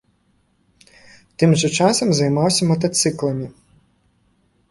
Тым жа часам займаўся матацыкламі.